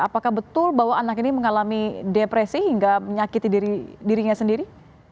apakah betul bahwa anak ini mengalami depresi hingga menyakiti dirinya sendiri